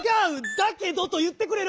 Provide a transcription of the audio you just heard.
「だけど」といってくれロボ！